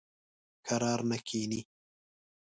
کرار نه کیني.